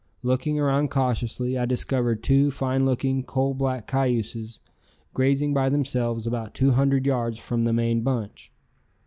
Looking around cautiously I discovered two fine looking, coal black cayuses grazing by themselves about two hundred yards from the main bunch.